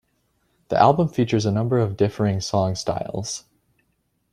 The album features a number of differing song styles.